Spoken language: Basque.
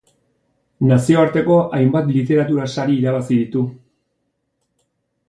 Nazioarteko hainbat literatura sari irabazi ditu.